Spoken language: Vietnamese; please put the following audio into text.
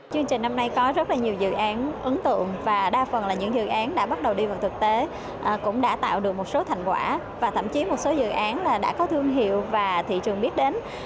chương trình năm nay có rất là nhiều dự án ấn tượng và đa phần là những dự án đã bắt đầu đi vào thực tế cũng đã tạo được một số thành quả và thậm chí một số dự án đã có thương hiệu và thị trường biết đến